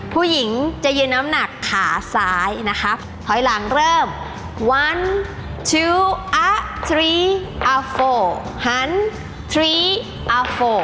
ผู้หญิงจะยืนน้ำหนักขาซ้ายนะครับถอยหลังเริ่ม๑๒อ่ะ๓อ่ะ๔หัน๓อ่ะ๔